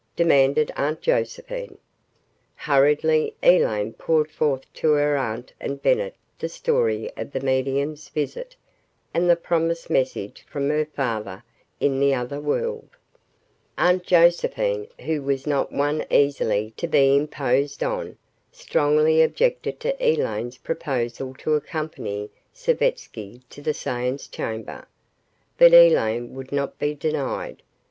demanded Aunt Josephine. Hurriedly, Elaine poured forth to her aunt and Bennett the story of the medium's visit and the promised message from her father in the other world. Aunt Josephine, who was not one easily to be imposed on, strongly objected to Elaine's proposal to accompany Savetsky to the seance chamber, but Elaine would not be denied.